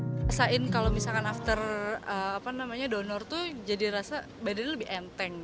rasain kalau misalkan after donor tuh jadi rasa badannya lebih enteng